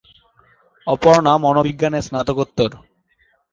অপর্ণা মনোবিজ্ঞানে স্নাতকোত্তর।